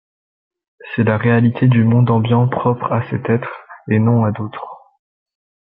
C’est la réalité du monde ambiant propre à cet être, et non à d’autres.